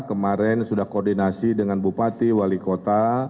kemarin sudah koordinasi dengan bupati wali kota